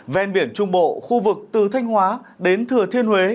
ven biển trung bộ khu vực từ thanh hóa đến thừa thiên huế